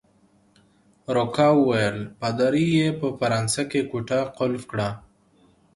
روکا وویل: پادري يې په فرانسه کې کوټه قلف کړه.